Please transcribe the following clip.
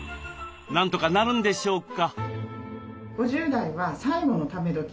なんとかなるんでしょうか？